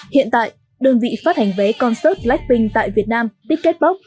hiện tại đơn vị phát hành vé concert blackpink tại việt nam ticketbox